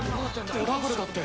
トラブルだって。